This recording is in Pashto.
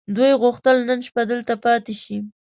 دوی غوښتل نن شپه دلته پاتې شي.